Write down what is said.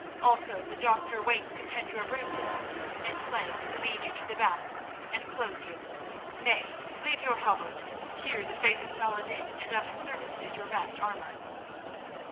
Also the doctor waits to tend your bruises, and slaves to lead you to the bath and clothe you. Nay, leave your hauberk; here the faith of Salah ed din and of his servants is your best armour."